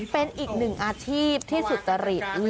เป็นอีกหนึ่งอาชีพที่ศุษยฤทธิ์